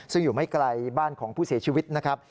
ซึ่งอยู่ไม่ไกลบ้านของผู้เสียชีวิตนะครับ